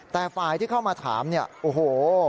แต่ฝ่ายที่เข้ามาถามเนี่ยโอ้โห